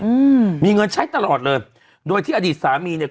อืมมีเงินใช้ตลอดเลยโดยที่อดีตสามีเนี้ย